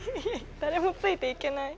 誰もついていけない。